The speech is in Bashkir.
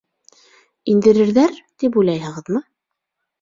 Индерерҙәр, тип уйлайһығыҙмы?